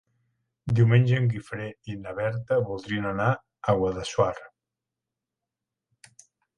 Diumenge en Guifré i na Berta voldrien anar a Guadassuar.